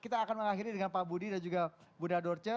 kita akan mengakhiri dengan pak budi dan juga bunda dorce